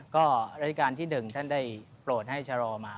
ก็ราชการที่๑ท่านได้โปรดให้ชะลอมา